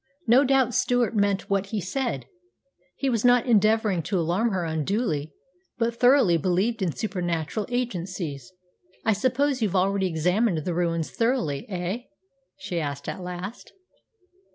No doubt Stewart meant what he said; he was not endeavouring to alarm her unduly, but thoroughly believed in supernatural agencies. "I suppose you've already examined the ruins thoroughly, eh?" she asked at last.